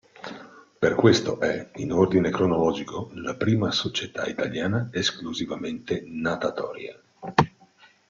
Per questo è, in ordine cronologico, la prima società italiana esclusivamente natatoria.